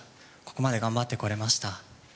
ここまで頑張ってこれました。